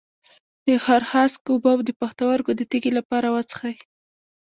د خارخاسک اوبه د پښتورګو د تیږې لپاره وڅښئ